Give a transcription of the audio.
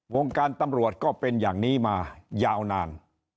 วงการตำรวจก็เป็นอย่างนี้มายาวนาน